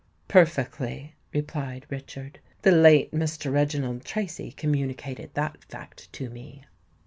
"Perfectly," replied Richard. "The late Mr. Reginald Tracy communicated that fact to me."